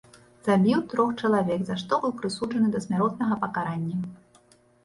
Забіў трох чалавек, за што быў прысуджаны да смяротнага пакарання.